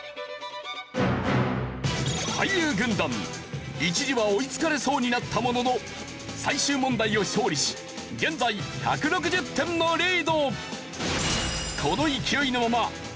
俳優軍団一時は追いつかれそうになったものの最終問題を勝利し現在１６０点のリード！